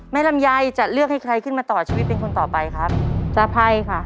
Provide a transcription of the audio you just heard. ลำไยจะเลือกให้ใครขึ้นมาต่อชีวิตเป็นคนต่อไปครับตาไพรค่ะ